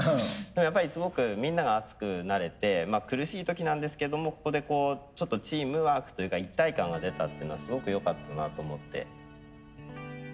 やっぱりすごくみんなが熱くなれてまあ苦しい時なんですけどもここでこうちょっとチームワークというか一体感が出たっていうのはすごくよかったなと思って。